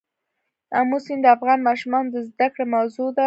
آمو سیند د افغان ماشومانو د زده کړې موضوع ده.